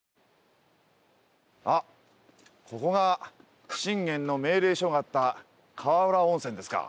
あっここが信玄の命令書があった川浦温泉ですか。